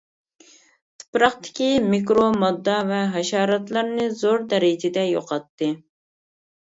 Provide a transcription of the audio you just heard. تۇپراقتىكى مىكرو ماددا ۋە ھاشاراتلارنى زور دەرىجىدە يوقاتتى.